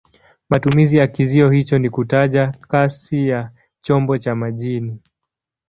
Matumizi ya kizio hicho ni kutaja kasi ya chombo cha majini.